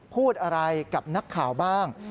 พูดอะไรกับนักข่าวบ้าง